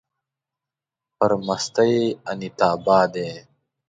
پر مستۍ انيتابا دی